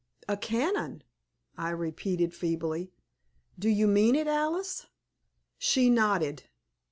"A canon!" I repeated, feebly. "Do you mean it, Alice?" She nodded.